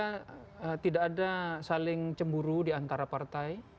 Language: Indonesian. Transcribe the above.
karena tidak ada saling cemburu diantara partai